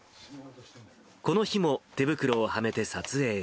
この日も手袋をはめて撮影へ。